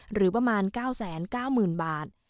หรือประมาณ๙๙๐๐๐บาท